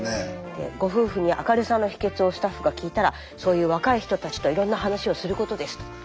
でご夫婦に明るさの秘けつをスタッフが聞いたら「そういう若い人たちといろんな話をすることです」とおっしゃっていました。